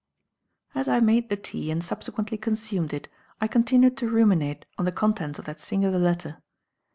As I made the tea and subsequently consumed it, I continued to ruminate on the contents of that singular letter.